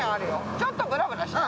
ちょっとブラブラしない？